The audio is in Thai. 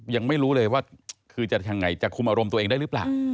ยังไม่รู้เลยว่าคือจะยังไงจะคุมอารมณ์ตัวเองได้หรือเปล่า